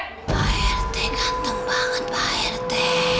pak rt kantong banget pak rt